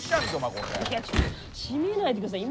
閉めないでください